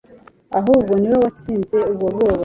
ahubwo niwe watsinze ubwo bwoba